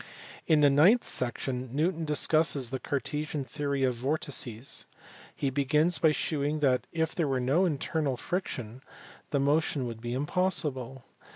In the ninth section Newton discusses the Cartesian theory of vortices (see above, p. 278). He begins by shewing that, if there were no internal friction, the motion would be impossible.